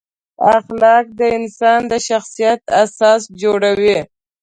اخلاق د انسان د شخصیت اساس جوړوي.